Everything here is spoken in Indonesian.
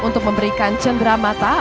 untuk memberikan cendera mata